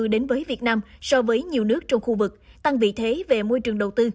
đến với việt nam so với nhiều nước trong khu vực tăng vị thế về môi trường đầu tư